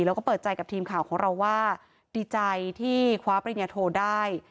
แล้วก็เปิดใจกับทีมข่าวของเราว่าดีใจที่คว้าปริญญาโทได้